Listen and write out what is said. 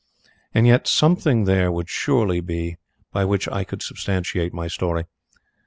And yet something there would surely be by which I could substantiate my story.